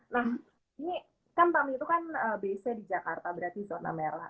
nah ini kan tami itu kan bc di jakarta berarti zona merah